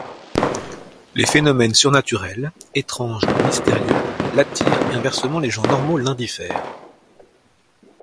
Les phénomènes surnaturels, étranges ou mystérieux l'attirent et inversement les gens normaux l'indiffèrent.